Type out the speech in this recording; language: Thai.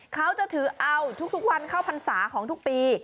เขาจะถือเอาทุกวันเข้าพรรษาของทุกปี